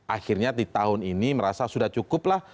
akhirnya di tahun ini merasa sudah cukup lah